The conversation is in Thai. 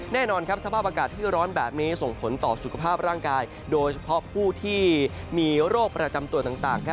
แน่นอนสภาพอากาศที่ร้อนแบบนี้ส่งผลต่อสุขภาพร่างกายโดยเฉพาะผู้ที่มีโรคประจำตัวต่าง